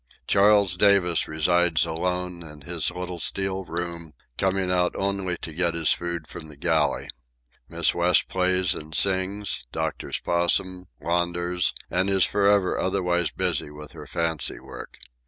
Charles Davis resides alone in his little steel room, coming out only to get his food from the galley. Miss West plays and sings, doctors Possum, launders, and is forever otherwise busy with her fancy work.